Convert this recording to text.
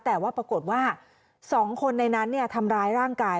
แต่ว่าปรากฏว่า๒คนในนั้นทำร้ายร่างกาย